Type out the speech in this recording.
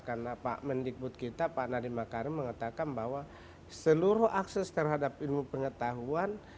karena pak mendikbud kita pak nadiem makarim mengatakan bahwa seluruh akses terhadap ilmu pengetahuan